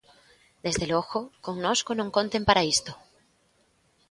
Desde logo, connosco non conten para isto.